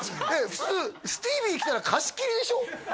普通スティーヴィー来たら貸し切りでしょ？